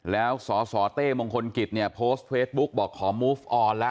แล้วสสเต้มงคลกิจเนี่ยโพสต์เฟซบุ๊กบอกขอมูฟออนละ